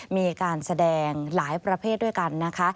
มีการแสดงหลายประเภทด้วยกันนะคะ